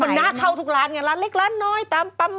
หน้าเข้าทุกร้านไงร้านเล็กร้านน้อยตามปั๊ม